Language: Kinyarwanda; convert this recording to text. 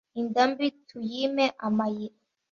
Inda mbi tuyime amayira